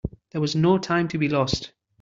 There was no time to be lost.